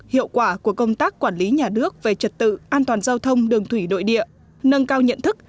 hiệu quả của công tác quản lý nhà nước về trật tự an toàn giao thông đường thủy nội địa nâng cao nhận thức